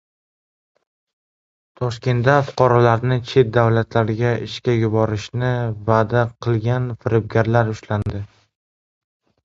Toshkentda fuqarolarni chet davlatlarga ishga yuborishini va’da qilgan firibgarlar ushlandi